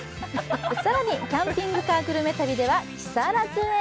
更にキャンピングカーグルメ旅では木更津へ。